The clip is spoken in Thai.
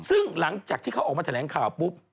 ซึ่งหลังจากที่เขาออกมาแถลงข่าวปุ๊บ